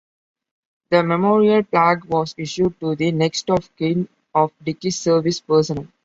The Memorial Plaque was issued to the next-of-kin of deceased service personnel.